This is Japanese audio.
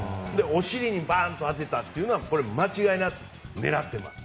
お尻にバンと当てたのは間違いなく狙ってます。